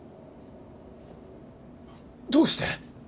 どうして！？